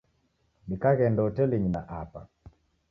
Dikaghenda hotelinyi na apa.